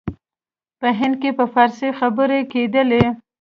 په هند کې په فارسي خبري کېدلې.